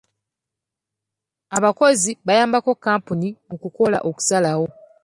Abakozi bayambako kampuni mu kukola okusalawo.